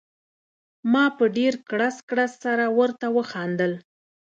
ما په ډېر کړس کړس سره ورته وخندل.